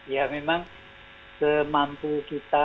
ya memang semampu kita